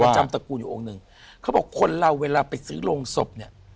จำตระกูลอยู่องค์หนึ่งเขาบอกคนเราเวลาไปซื้อโรงศพเนี่ย